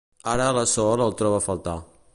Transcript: Ara la Sol el troba a faltar.